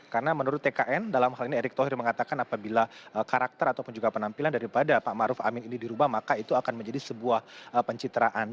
karena menurut tkn dalam hal ini erik tohir mengatakan apabila karakter ataupun juga penampilan daripada pak ma'ruf amin ini dirubah maka itu akan menjadi sebuah pencitraan